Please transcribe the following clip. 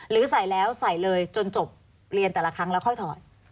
หรือใส่แล้วใส่เลยจนจบเรียนแต่ละครั้งแล้วค่อยถอด